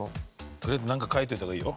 とりあえずなんか書いといた方がいいよ。